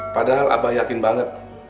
padahal abah yakin banget